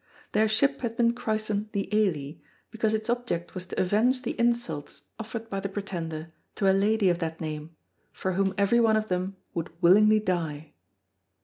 Their ship had been christened the Ailie, because its object was to avenge the insults offered by the Pretender to a lady of that name for whom everyone of them would willingly die.